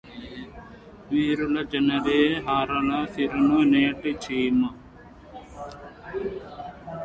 విరుల జేరి హరుని శిరసు నెక్కిన చీమ